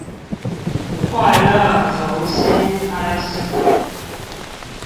快樂從心開始